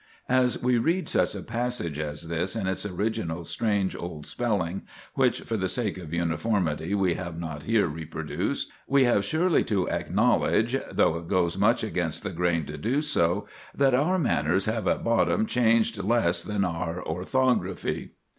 As we read such a passage as this in its original strange old spelling (which, for the sake of uniformity, we have not here reproduced), we have surely to acknowledge—though it goes much against the grain to do so—that our manners have at bottom changed less than our orthography.